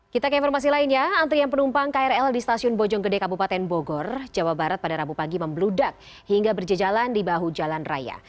kita ke informasi lainnya antrian penumpang krl di stasiun bojonggede kabupaten bogor jawa barat pada rabu pagi membludak hingga berjejalan di bahu jalan raya